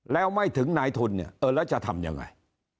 แล้วไม่ถึงนายทุนเนี่ยเออแล้วจะทำยังไง